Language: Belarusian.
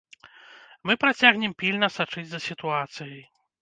Мы працягнем пільна сачыць за сітуацыяй.